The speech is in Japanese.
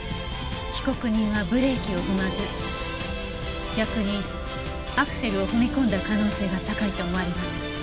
被告人はブレーキを踏まず逆にアクセルを踏み込んだ可能性が高いと思われます。